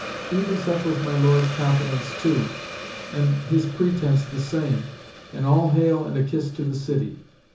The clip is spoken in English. Even such was my Lord's confidence too, and his pretence the same an all hail and a kiss to the City.